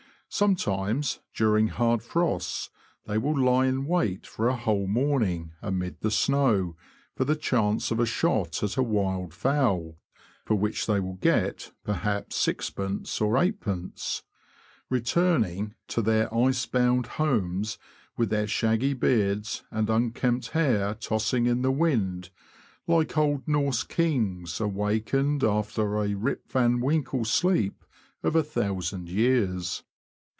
Sometimes, during hard frosts, they will lie in wait for a whole morning, amid the snow, for the chance of a shot at a wild fowl (for which they will get, perhaps, sixpence or eightpence), returning to their icebound homes with their shaggy beards and unkempt hair tossing in the wind, like old Norse kings awakened after a Rip Van Winkle sleep of a thousand years.